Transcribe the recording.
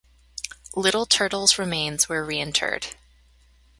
Little Turtle's remains were reinterred.